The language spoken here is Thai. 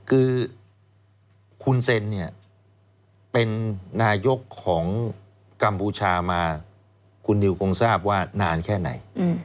คือคุณเซนเนี่ยเป็นนายกของกัมพูชามาคุณนิวคงทราบว่านานแค่ไหน